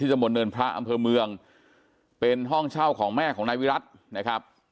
ตะบนเนินพระอำเภอเมืองเป็นห้องเช่าของแม่ของนายวิรัตินะครับ